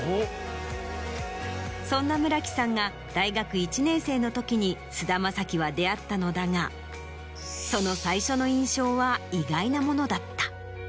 そんな村木さんが大学１年生の時に菅田将暉は出会ったのだがその最初の印象は意外なものだった。